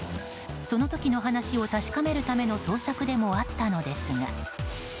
その時の話を確かめるための捜索でもあったのですが。